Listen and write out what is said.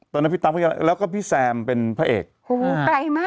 ตอนนั้นพี่ตั๊มแล้วก็พี่แซมเป็นพระเอกโอ้โหไกลมาก